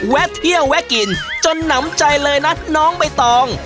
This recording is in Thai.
แวะเที่ยวแวะกินจนหนำใจเลยนะน้องใบตอง